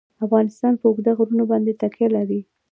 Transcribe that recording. افغانستان په اوږده غرونه باندې تکیه لري.